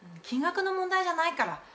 金額の問題じゃないから。